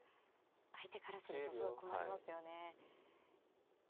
相手からすると困りますよね。